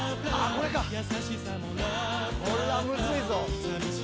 これはムズいぞ。